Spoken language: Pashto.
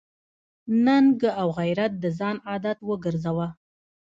ننګ او غیرت د ځان عادت وګرځوه.